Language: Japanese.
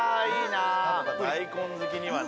大根好きにはね。